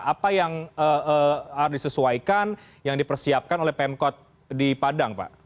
apa yang harus disesuaikan yang dipersiapkan oleh pemkot di padang pak